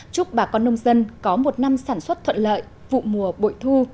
chúc bà con nông dân có một năm sản xuất thuận lợi vụ mùa bội thu